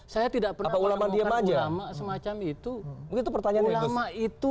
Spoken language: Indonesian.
saya tidak pernah mengungkap ulama semacam itu